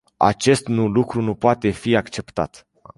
Acest nu lucru nu mai poate fi acceptat.